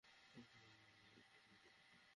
পূজা, রাজের প্রশ্নের উত্তর দাও।